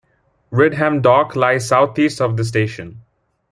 Ridham Dock lies south-east of the station.